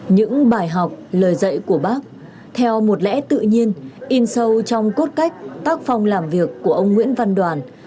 những bài học lời dạy của bác theo một lẽ tự nhiên in sâu trong cốt cách tác phong làm việc của ông nguyễn văn đoàn